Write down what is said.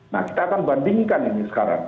nah kita akan bandingkan ini sekarang